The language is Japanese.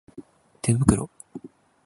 手袋